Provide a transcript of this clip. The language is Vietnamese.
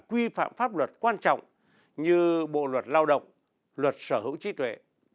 quy phạm pháp luật quan trọng như bộ luật lao động luật sở hữu trí tuệ